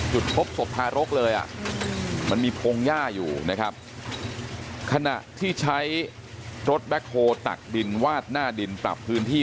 จุดพบศพทารกเลยอ่ะมันมีพงหญ้าอยู่นะครับขณะที่ใช้รถแบ็คโฮลตักดินวาดหน้าดินปรับพื้นที่